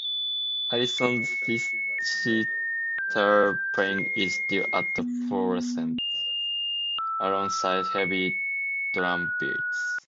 Harrison's sitar playing is still at the forefront, alongside heavy drumbeats.